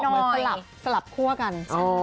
ต่อมาสลับคู่กัน